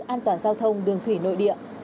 an toàn giao thông đường thủy nội địa